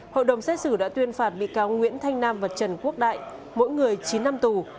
hội đồng xét xử đã tuyên phạt bị cáo nguyễn thanh nam và trần quốc đại mỗi người chín năm tù